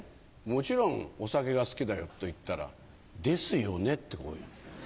もちろんお酒が好きだよと言ったらですよねってこう言う。